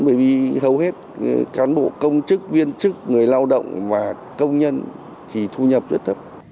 bởi vì hầu hết cán bộ công chức viên chức người lao động và công nhân thì thu nhập rất thấp